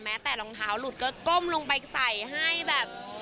แต่รองเท้าหลุดก็ก้มลงไปใส่ให้แบบ